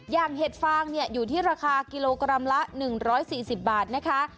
เห็ดฟางอยู่ที่ราคากิโลกรัมละ๑๔๐บาทนะคะ